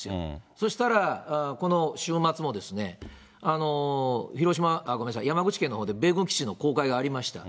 そしたら、この週末もですね、広島、ごめんなさい、山口県のほうで米軍基地の公開がありました。